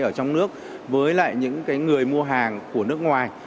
ở trong nước với lại những người mua hàng của nước ngoài